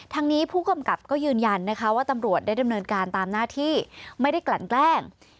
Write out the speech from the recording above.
ทางนี้ผู้กำกับก็ยืนยันนะคะว่าตำรวจได้ดำเนินการตามหน้าที่ไม่ได้กลั่นแกล้ง